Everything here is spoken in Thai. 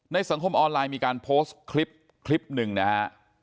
สังคมออนไลน์มีการโพสต์คลิปคลิปหนึ่งนะฮะ